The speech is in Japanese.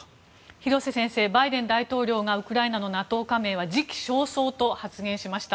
広瀬先生バイデン大統領がウクライナのＮＡＴＯ加盟は時期尚早と発言しました。